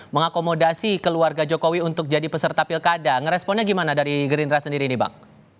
mengakomodasi keluarga jokowi untuk jadi peserta pilkada ngeresponnya gimana dari gerindra sendiri nih bang